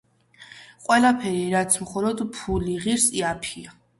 ყველაფერი, რაც მხოლოდ ფული ღირს იაფია